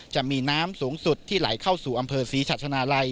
จะมีน้ำสูงสุดที่ไหลเข้าสู่อำเภอศรีชัชนาลัย